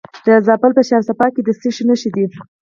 د زابل په شهر صفا کې د څه شي نښې دي؟